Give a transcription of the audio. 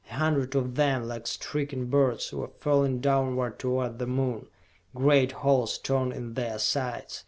A hundred of them, like stricken birds, were falling downward toward the Moon, great holes torn in their sides.